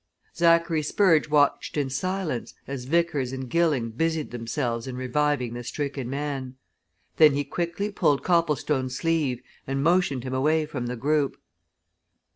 Zachary Spurge watched in silence as Vickers and Gilling busied themselves in reviving the stricken man. Then he quickly pulled Copplestone's sleeve and motioned him away from the group.